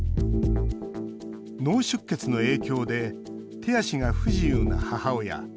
脳出血の影響で手足が不自由な母親。